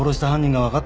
わかった。